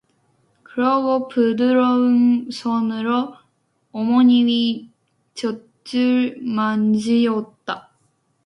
그러고 부드러운 손으로 어머니의 젖을 만지었다.